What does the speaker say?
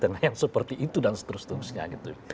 di tengah yang seperti itu dan seterusnya gitu